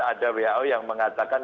ada who yang mengatakan